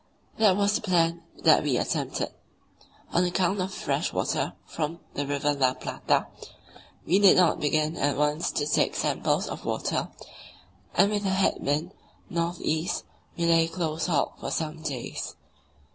That was the plan that we attempted. On account of the fresh water from the River La Plata, we did not begin at once to take samples of water, and with a head wind, north east, we lay close hauled for some days.